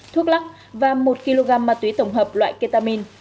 thuốc lắc và một kg ma túy tổng hợp loại ketamin